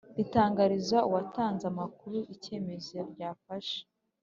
ritangariza uwatanze amakuru icyemezo ryafashe